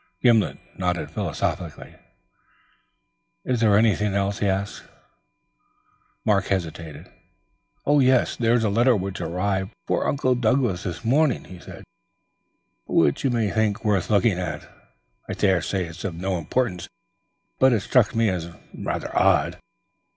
Gimblet nodded philosophically. "Is there anything else?" he asked. Mark hesitated. "There's a letter which arrived for Uncle Douglas this morning," he said, "which you may think worth looking at. I daresay it's of no importance, but it struck me as rather odd."